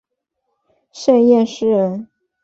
盛彦师人。